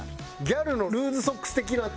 ギャルのルーズソックス的な？